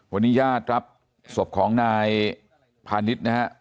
วันนี้ย่าสัพสัพของนายภานิดนะค่ะ